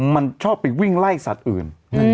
มันชอบไปวิ่งไล่สัตว์อื่น